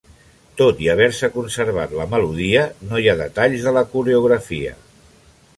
Tot i haver-se conservat la melodia, no hi ha detalls de la coreografia.